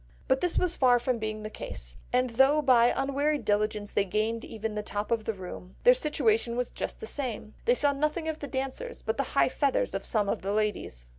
But this was far from being the case; and though by unwearied diligence they gained even the top of the room, their situation was just the same; they saw nothing of the dancers, but the high feathers of some of the ladies.